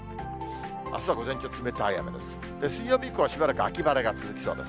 あすは午前中、冷たい雨です。